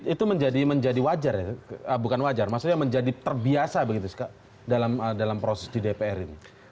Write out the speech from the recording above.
itu menjadi terbiasa dalam proses di dpr ini